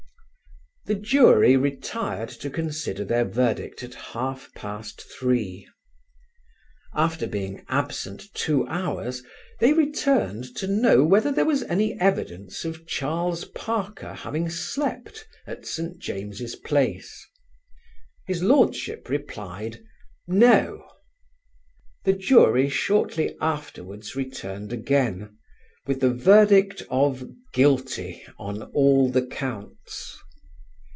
The jury retired to consider their verdict at half past three. After being absent two hours they returned to know whether there was any evidence of Charles Parker having slept at St. James's Place. His Lordship replied, "No." The jury shortly afterwards returned again with the verdict of "Guilty" on all the counts.